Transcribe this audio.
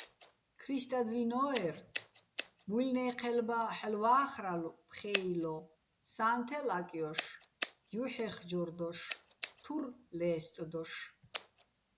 ქრისტადვინო́ერ, მუჲლნე́ჴელბა ჰ̦ალო̆ ვა́ხრალო̆ ფხე́ილო, სა́ნთელ აკჲოშ, ჲუჰ̦ეხჯორ დოშ, თურ ლე́სტდოშ.